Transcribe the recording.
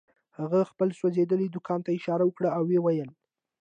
هغه خپل سوځېدلي دوکان ته اشاره وکړه او ويې ويل.